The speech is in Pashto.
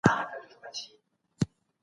پرشتو ته د خليفه پيدا کيدو خبر ورکړل سو.